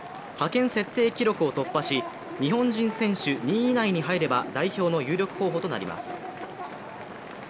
派遣設定記録を突破し、日本人選手２位以内に入れば代表の有力候補となります。